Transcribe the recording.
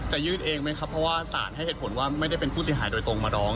ยื่นเองไหมครับเพราะว่าสารให้เหตุผลว่าไม่ได้เป็นผู้เสียหายโดยตรงมาร้อง